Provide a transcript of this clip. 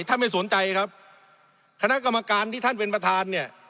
ไม่สนใจครับคณะกรรมการที่ท่านเป็นประธานเนี่ย